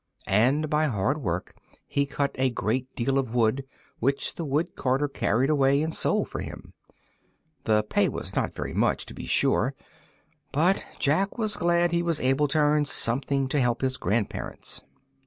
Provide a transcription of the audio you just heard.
And by hard work he cut a great deal of wood, which the wood carter carried away and sold for him. The pay was not very much, to be sure, but Jack was glad that he was able to earn something to help his grandparents.